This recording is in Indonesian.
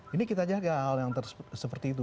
ini kita jaga hal yang seperti itu